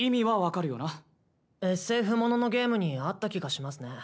ＳＦモノのゲームにあった気がしますね。